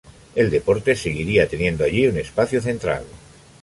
El deporte seguiría teniendo allí un espacio central.